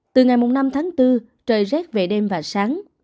từ ngày năm tháng bốn trời rét về đêm và sáng